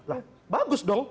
lah bagus dong